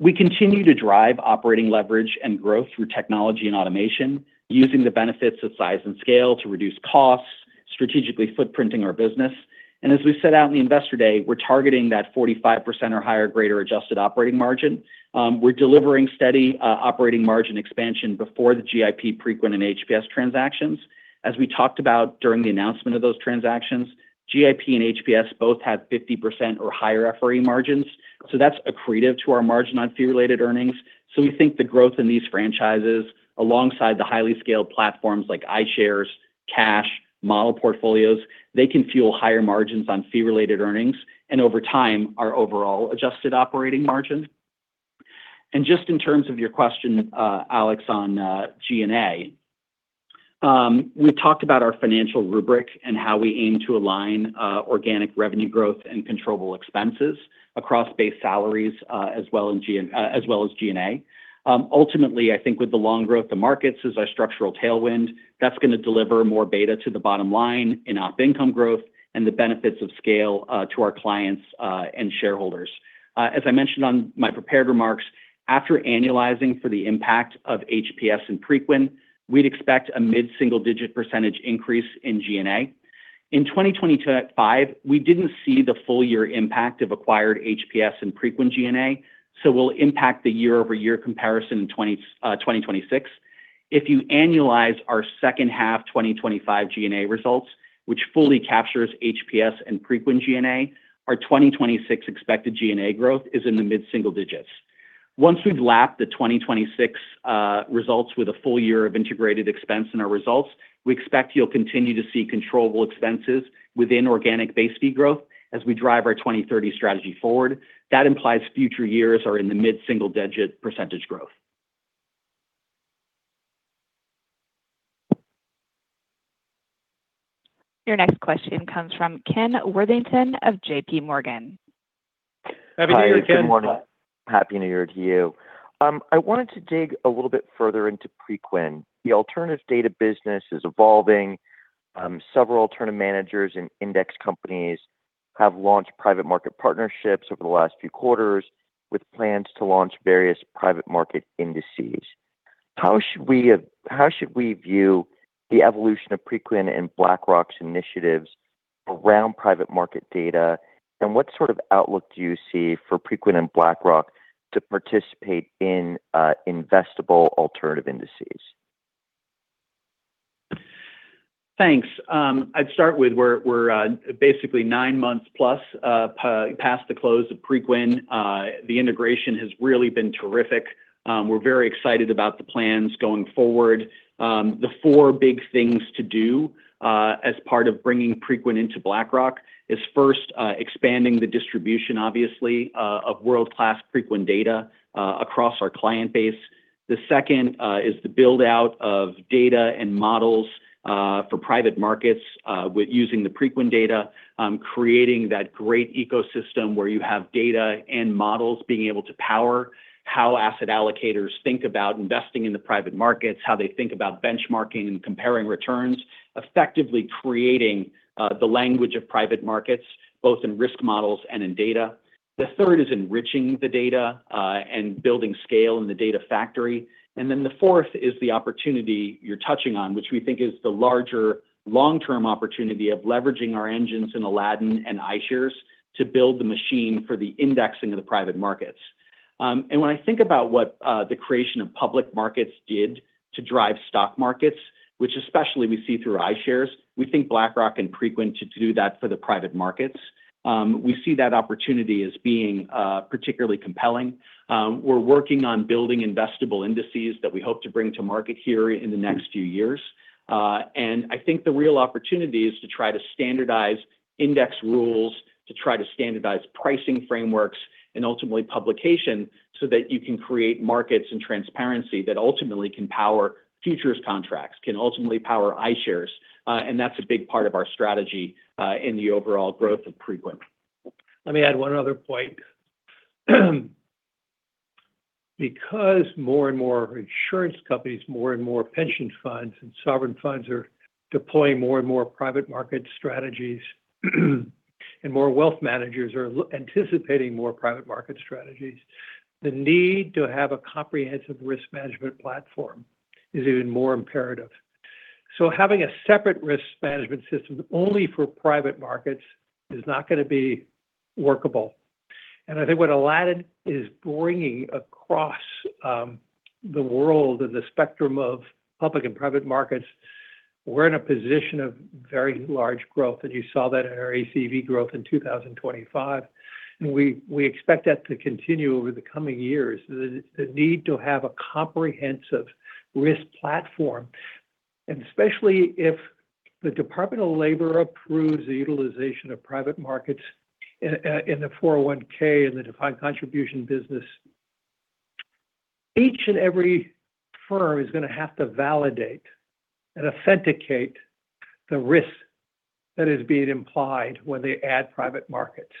Speaker 3: We continue to drive operating leverage and growth through technology and automation, using the benefits of size and scale to reduce costs, strategically footprinting our business, and as we set out in the Investor Day, we're targeting that 45% or higher greater adjusted operating margin. We're delivering steady operating margin expansion before the GIP, Preqin and HPS transactions. As we talked about during the announcement of those transactions, GIP and HPS both have 50% or higher FRE margins, so that's accretive to our margin on fee-related earnings, so we think the growth in these franchises alongside the highly scaled platforms like iShares, cash, model portfolios, they can fuel higher margins on fee-related earnings and over time our overall adjusted operating margin. Just in terms of your question, Alex, on G&A, we've talked about our financial rubric and how we aim to align organic revenue growth and controllable expenses across base salaries as well as G&A. Ultimately, I think with the ongoing growth of markets as our structural tailwind, that's going to deliver more beta to the bottom line in op income growth and the benefits of scale to our clients and shareholders. As I mentioned on my prepared remarks, after annualizing for the impact of HPS and Preqin, we'd expect a mid-single digit percentage increase in G&A. In 2025, we didn't see the full year impact of acquired HPS and Preqin G&A, so we'll impact the year-over-year comparison in 2026. If you annualize our second half 2025 G&A results, which fully captures HPS and Preqin G&A, our 2026 expected G&A growth is in the mid-single digits. Once we've lapped the 2026 results with a full year of integrated expense in our results, we expect you'll continue to see controllable expenses within organic base fee growth as we drive our 2030 strategy forward. That implies future years are in the mid-single-digit percentage growth.
Speaker 1: Your next question comes from Ken Worthington of JPMorgan.
Speaker 4: Happy New Year, Ken.
Speaker 9: Happy New Year to you. I wanted to dig a little bit further into Preqin. The alternative data business is evolving. Several alternative managers and index companies have launched private market partnerships over the last few quarters with plans to launch various private market indices. How should we view the evolution of Preqin and BlackRock's initiatives around private market data, and what sort of outlook do you see for Preqin and BlackRock to participate in investable alternative indices?
Speaker 3: Thanks. I'd start with we're basically nine months plus past the close of Preqin. The integration has really been terrific. We're very excited about the plans going forward. The four big things to do as part of bringing Preqin into BlackRock is first, expanding the distribution, obviously, of world-class Preqin data across our client base. The second is the build-out of data and models for private markets using the Preqin data, creating that great ecosystem where you have data and models being able to power how asset allocators think about investing in the private markets, how they think about benchmarking and comparing returns, effectively creating the language of private markets both in risk models and in data. The third is enriching the data and building scale in the data factory. And then the fourth is the opportunity you're touching on, which we think is the larger long-term opportunity of leveraging our engines in Aladdin and iShares to build the machine for the indexing of the private markets. And when I think about what the creation of public markets did to drive stock markets, which especially we see through iShares, we think BlackRock and Preqin to do that for the private markets. We see that opportunity as being particularly compelling. We're working on building investable indices that we hope to bring to market here in the next few years. And I think the real opportunity is to try to standardize index rules, to try to standardize pricing frameworks, and ultimately publication so that you can create markets and transparency that ultimately can power futures contracts, can ultimately power iShares. That's a big part of our strategy in the overall growth of Preqin.
Speaker 4: Let me add one other point. Because more and more insurance companies, more and more pension funds and sovereign funds are deploying more and more private market strategies, and more wealth managers are anticipating more private market strategies, the need to have a comprehensive risk management platform is even more imperative. Having a separate risk management system only for private markets is not going to be workable. I think what Aladdin is bringing across the world and the spectrum of public and private markets, we're in a position of very large growth. You saw that in our ACV growth in 2025. We expect that to continue over the coming years. The need to have a comprehensive risk platform, and especially if the Department of Labor approves the utilization of private markets in the 401(k) and the defined contribution business, each and every firm is going to have to validate and authenticate the risk that is being implied when they add private markets.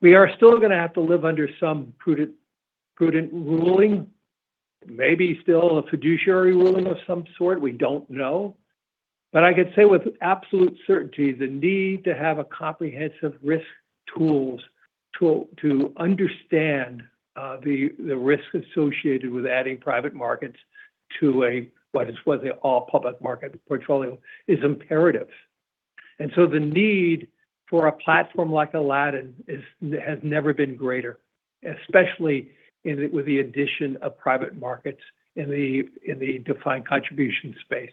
Speaker 4: We are still going to have to live under some prudent ruling, maybe still a fiduciary ruling of some sort. We don't know. But I can say with absolute certainty, the need to have comprehensive risk tools to understand the risk associated with adding private markets to what is their all public market portfolio is imperative. And so the need for a platform like Aladdin has never been greater, especially with the addition of private markets in the defined contribution space.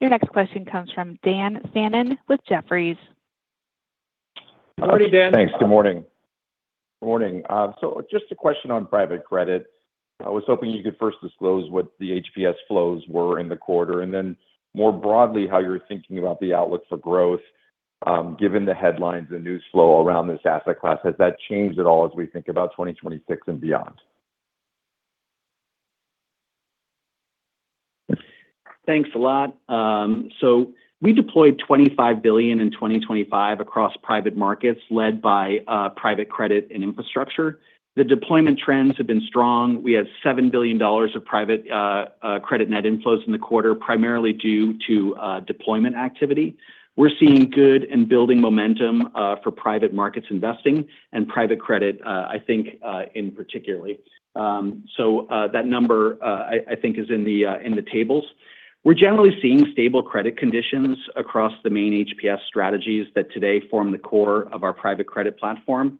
Speaker 1: Your next question comes from Dan Fannon with Jefferies.
Speaker 4: How are you, Dan?
Speaker 10: Thanks. Good morning. Good morning. So just a question on private credit. I was hoping you could first disclose what the HPS flows were in the quarter and then more broadly how you're thinking about the outlook for growth given the headlines and news flow around this asset class. Has that changed at all as we think about 2026 and beyond?
Speaker 3: Thanks a lot. So we deployed $25 billion in 2025 across private markets led by private credit and infrastructure. The deployment trends have been strong. We have $7 billion of private credit net inflows in the quarter, primarily due to deployment activity. We're seeing good and building momentum for private markets investing and private credit, I think, in particular. So that number, I think, is in the tables. We're generally seeing stable credit conditions across the main HPS strategies that today form the core of our private credit platform.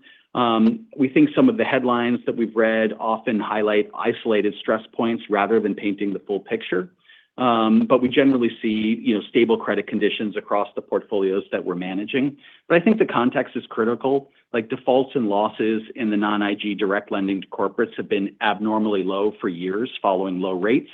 Speaker 3: We think some of the headlines that we've read often highlight isolated stress points rather than painting the full picture, but we generally see stable credit conditions across the portfolios that we're managing, but I think the context is critical. Like defaults and losses in the non-IG direct lending to corporates have been abnormally low for years following low rates.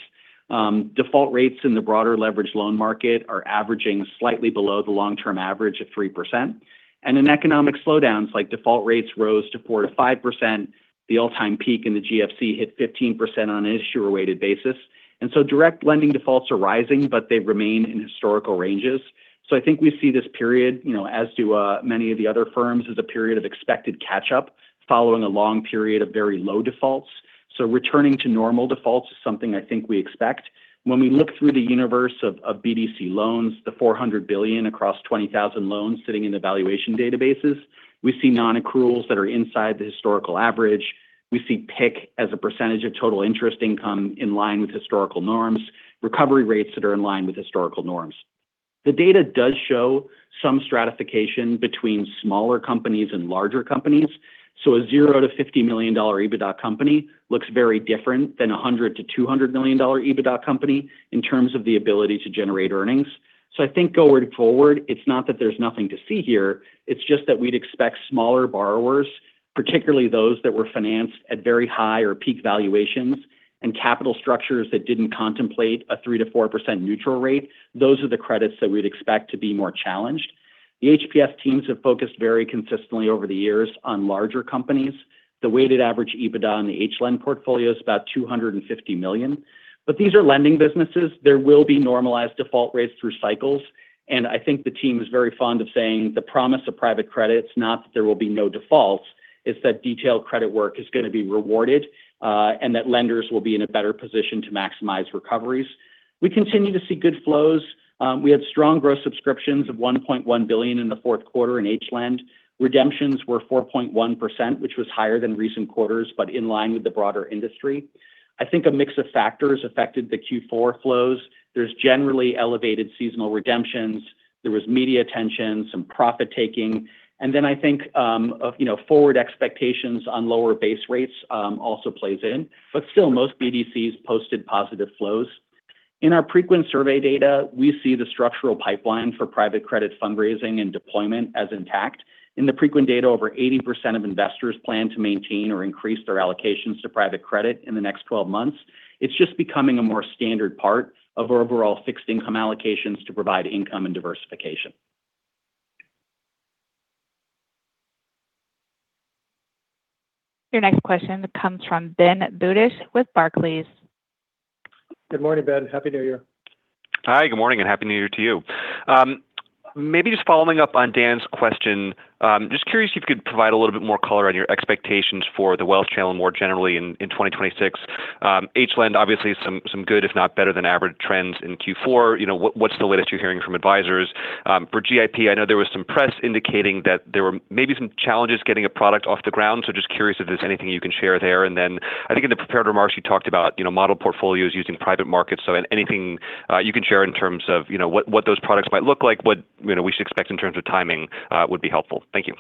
Speaker 3: Default rates in the broader leveraged loan market are averaging slightly below the long-term average at 3%. And in economic slowdowns, like default rates rose to 4-5%, the all-time peak in the GFC hit 15% on an issuer-weighted basis, and so direct lending defaults are rising, but they remain in historical ranges, so I think we see this period, as do many of the other firms, as a period of expected catch-up following a long period of very low defaults. So returning to normal defaults is something I think we expect. When we look through the universe of BDC loans, the $400 billion across 20,000 loans sitting in the valuation databases, we see non-accruals that are inside the historical average. We see PIK as a percentage of total interest income in line with historical norms, recovery rates that are in line with historical norms. The data does show some stratification between smaller companies and larger companies. So a $0-$50 million EBITDA company looks very different than a $100-$200 million EBITDA company in terms of the ability to generate earnings. So I think going forward, it's not that there's nothing to see here. It's just that we'd expect smaller borrowers, particularly those that were financed at very high or peak valuations and capital structures that didn't contemplate a 3%-4% neutral rate, those are the credits that we'd expect to be more challenged. The HPS teams have focused very consistently over the years on larger companies. The weighted average EBITDA in the HLEND portfolio is about $250 million. But these are lending businesses. There will be normalized default rates through cycles. And I think the team is very fond of saying the promise of private credit, not that there will be no defaults, is that detailed credit work is going to be rewarded and that lenders will be in a better position to maximize recoveries. We continue to see good flows. We had strong gross subscriptions of $1.1 billion in the Q4 in HLEND. Redemptions were 4.1%, which was higher than recent quarters, but in line with the broader industry. I think a mix of factors affected the Q4 flows. There's generally elevated seasonal redemptions. There was media attention, some profit taking, and then I think forward expectations on lower base rates also plays in, but still, most BDCs posted positive flows. In our Preqin survey data, we see the structural pipeline for private credit fundraising and deployment as intact. In the Preqin data, over 80% of investors plan to maintain or increase their allocations to private credit in the next 12 months. It's just becoming a more standard part of overall fixed income allocations to provide income and diversification.
Speaker 1: Your next question comes from Ben Budish with Barclays.
Speaker 4: Good morning, Ben. Happy New Year.
Speaker 11: Hi, good morning, and happy New Year to you. Maybe just following up on Dan's question, just curious if you could provide a little bit more color on your expectations for the wealth channel more generally in 2026. HLEND obviously is some good, if not better than average trends in Q4. What's the latest you're hearing from advisors? For GIP, I know there was some press indicating that there were maybe some challenges getting a product off the ground. So just curious if there's anything you can share there. And then I think in the prepared remarks, you talked about model portfolios using private markets. So anything you can share in terms of what those products might look like, what we should expect in terms of timing would be helpful. Thank you.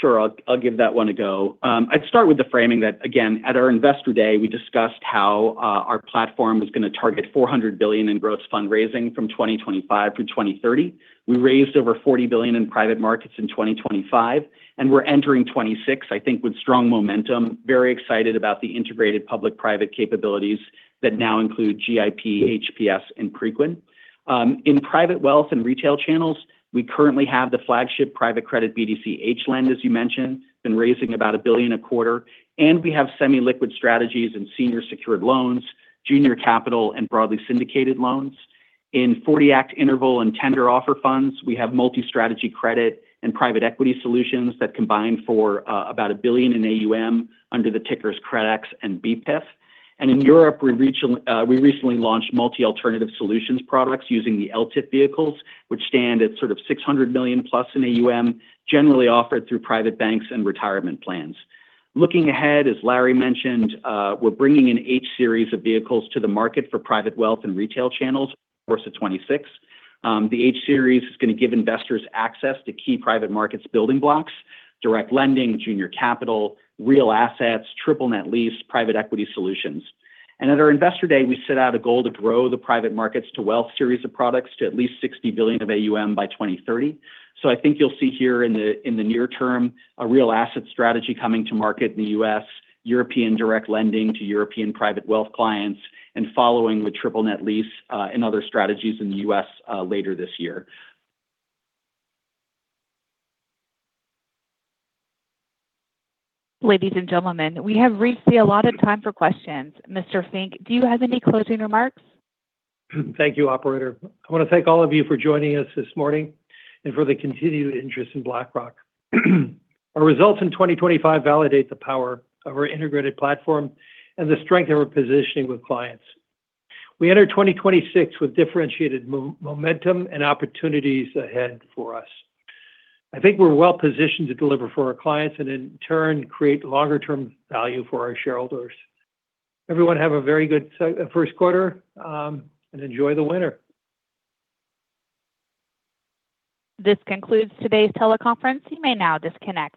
Speaker 3: Sure. I'll give that one a go. I'd start with the framing that, again, at our Investor Day, we discussed how our platform was going to target 400 billion in gross fundraising from 2025 through 2030. We raised over 40 billion in private markets in 2025, and we're entering 26, I think, with strong momentum. Very excited about the integrated public-private capabilities that now include GIP, HPS, and Preqin. In private wealth and retail channels, we currently have the flagship private credit BDC HLEND, as you mentioned, been raising about a billion a quarter. And we have semi-liquid strategies and senior secured loans, junior capital, and broadly syndicated loans. In '40 Act interval and tender offer funds, we have multi-strategy credit and private equity solutions that combine for about a billion in AUM under the tickers CREDX and BPIF. In Europe, we recently launched multi-alternative solutions products using the ELTIF vehicles, which stand at sort of $600 million-plus in AUM, generally offered through private banks and retirement plans. Looking ahead, as Larry mentioned, we're bringing an H-Series of vehicles to the market for private wealth and retail channels for '26. The H-Series is going to give investors access to key private markets building blocks: direct lending, junior capital, real assets, triple-net lease, private equity solutions. At our Investor Day, we set out a goal to grow the private markets to wealth series of products to at least $60 billion of AUM by 2030. I think you'll see here in the near term a real asset strategy coming to market in the U.S., European direct lending to European private wealth clients, and following with triple-net lease and other strategies in the U.S. later this year.
Speaker 1: Ladies and gentlemen, we have reached the allotted time for questions. Mr. Fink, do you have any closing remarks?
Speaker 4: Thank you, Operator. I want to thank all of you for joining us this morning and for the continued interest in BlackRock. Our results in 2025 validate the power of our integrated platform and the strength of our positioning with clients. We enter 2026 with differentiated momentum and opportunities ahead for us. I think we're well positioned to deliver for our clients and in turn create longer-term value for our shareholders. Everyone have a very good Q1 and enjoy the winter.
Speaker 1: This concludes today's teleconference. You may now disconnect.